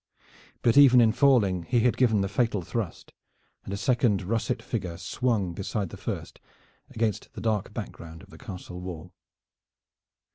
But even in falling he had given the fatal thrust and a second russet figure swung beside the first against the dark background of the castle wall.